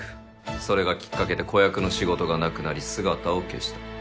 それがきっかけで子役の仕事がなくなり姿を消した。